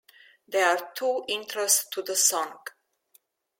There are two intros to the song.